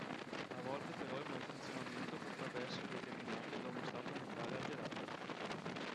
A volte però il malfunzionamento potrebbe essere determinato da uno stato mentale alterato.